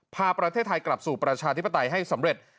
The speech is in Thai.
พาประเทศไทยกลับสู่ประชาธิปไตยให้สำเร็จ